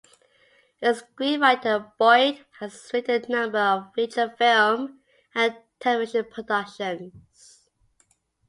As a screenwriter Boyd has written a number of feature film and television productions.